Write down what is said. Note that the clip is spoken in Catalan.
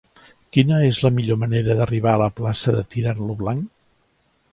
Quina és la millor manera d'arribar a la plaça de Tirant lo Blanc?